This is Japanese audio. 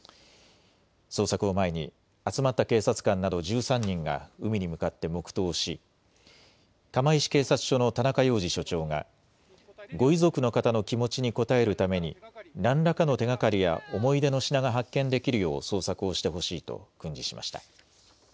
捜索を前に集まった警察官など１３人が海に向かって黙とうし釜石警察署の田中洋二署長がご遺族の方の気持ちに応えるために何らかの手がかりや思い出の品が発見できるよう捜索をしてほしいと訓示しました。